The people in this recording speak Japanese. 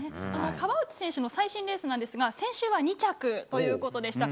河内選手の最新レースなんですが、先週は２着ということでした。